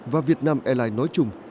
và việt nam airlines nói chung